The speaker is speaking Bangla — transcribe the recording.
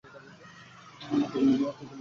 আত্মা সম্পর্কে কী জানো?